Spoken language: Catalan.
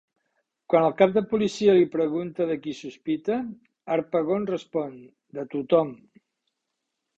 Quan el cap de policia li pregunta de qui sospita, Harpagon respon: "De tothom!".